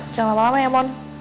jangan lama lama ya mon